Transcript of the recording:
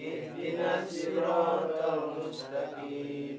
ihdinas siratal muslakim